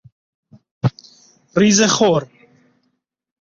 ریزه خور